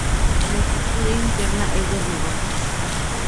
La estructura interna es de hormigón.